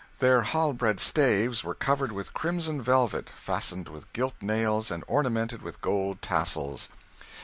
Their halberd staves were covered with crimson velvet, fastened with gilt nails, and ornamented with gold tassels.